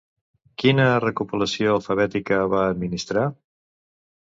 Quina recopilació alfabètica va administrar?